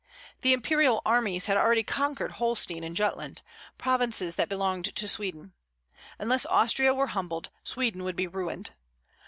The imperial armies had already conquered Holstein and Jutland, provinces that belonged to Sweden. Unless Austria were humbled, Sweden would be ruined.